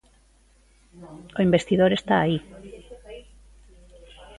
O investidor está aí.